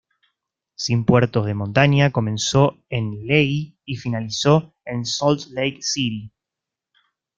Sin puertos de montaña, comenzó en Lehi y finalizó en Salt Lake City.